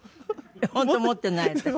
本当持ってない私。